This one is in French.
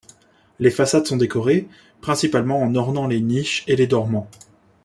Les façades sont décorées, principalement en ornant les niches et les dormants.